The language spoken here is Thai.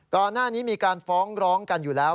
ก่อนหน้านี้มีการฟ้องร้องกันอยู่แล้ว